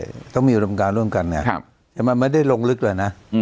ต้องมีอุดมการร่วมกันเนี่ยแต่มันไม่ได้ลงลึกเลยนะ